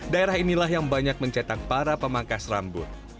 daerah inilah yang banyak mencetak para pemangkas rambut